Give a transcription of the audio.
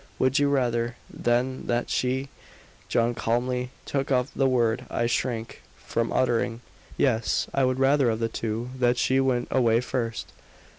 "Would you rather, then, that she " John calmly took up the word I shrank from uttering. "Yes; I would rather of the two that she went away first.